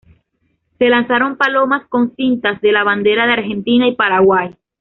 Se lanzaron palomas con cintas de las banderas de Argentina y Paraguay.